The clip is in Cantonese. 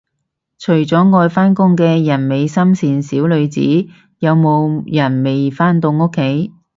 除咗愛返工嘅人美心善小女子，有冇人未返到屋企